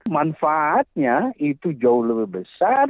manfaatnya itu jauh lebih besar